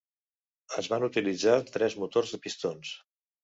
Es van utilitzar tres motors de pistons.